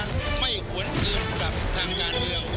ไม่ควรเอาออกกลับทางยานเดียว